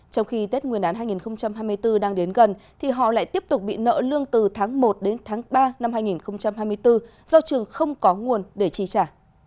trong khi tết nguyên đán hai nghìn hai mươi bốn đang đến gần thì họ lại tiếp tục bị nợ lương từ tháng một đến tháng ba năm hai nghìn hai mươi bốn do trường không có nguồn để chi trả